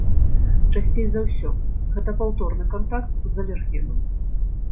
Часцей за ўсё, гэта паўторны кантакт з алергенам.